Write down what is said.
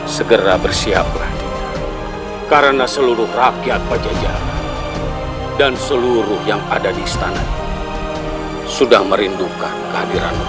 segera bersiaplah karena seluruh rakyat pajajaran dan seluruh yang ada di istana sudah merindukan kehadiranmu